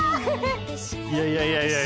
いやいやいやいや。